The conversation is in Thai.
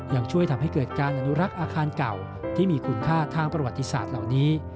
ยังช่วยทำให้เกิดการอนุรักษ์อาคารเก่าที่มีคุณค่าทางประวัติศาสตร์เหล่านี้